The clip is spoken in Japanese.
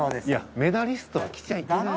メダリストは来ちゃいけない。